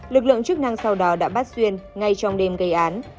lực lượng chức năng sau đó đã bắt xuyên ngay trong đêm gây án